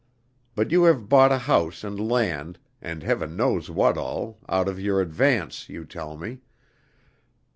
But you have bought a house and land, and Heaven knows what all, out of your advance, you tell me.